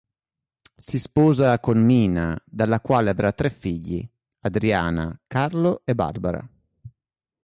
Si sposa con Mina, dalla quale avrà tre figli: Adriana, Carlo e Barbara.